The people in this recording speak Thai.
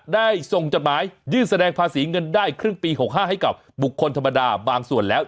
ได้ส่งจดหมายยื่นแสดงภาษีเงินได้ครึ่งปี๖๕ให้กับบุคคลธรรมดาบางส่วนแล้ว